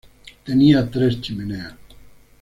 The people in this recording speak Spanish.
Tenía tres chimeneas.